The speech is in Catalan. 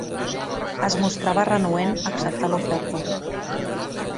Es mostrava renuent a acceptar l'oferta.